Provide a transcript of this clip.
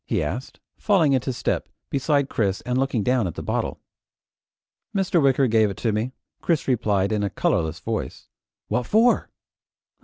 he asked, falling into step beside Chris and looking down at the bottle. "Mr. Wicker gave it to me," Chris replied in a colorless voice. "What for?"